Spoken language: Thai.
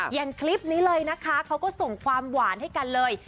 อย่างคลิปนี้เลยนะคะเขาก็ส่งความหวานให้กันเลย